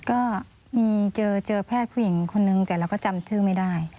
ก็มีเจอแพทย์ผู้หญิงคนนึงแต่เราก็จำชื่อไม่ได้